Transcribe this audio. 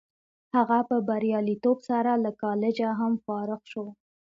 هغه په بریالیتوب سره له کالجه هم فارغ شو